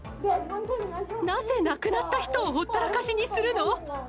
なぜ亡くなった人をほったらかしにするの？